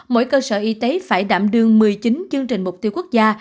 mỗi cơ sở y tế phải đảm đương một mươi chín chương trình mục tiêu quốc gia